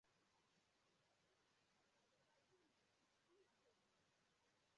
Gọvanọ Obianọ mere ka a mara na nchekwa bụ ọrụ dịịrị onye ọbụla